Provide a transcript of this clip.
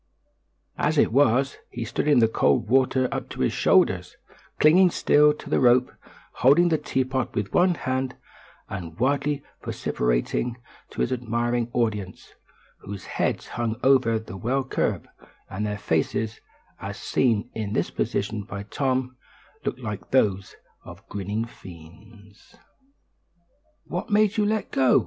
As it was, he stood in the cold water up to his shoulders, clinging still to the rope, holding the teapot with one hand, and wildly vociferating to his admiring audience whose heads hung over the well curb, and their faces, as seen in this position by Tom, looked like those of grinning fiends. "What made you let go?"